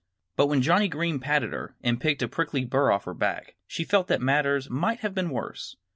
But when Johnnie Green patted her and picked a prickly burr off her back she felt that matters might have been worse.